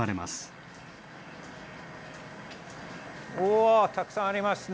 おおたくさんありますね。